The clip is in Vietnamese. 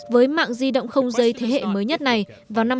với mạng di động không dây thế hệ mới nhất này vào năm hai nghìn hai mươi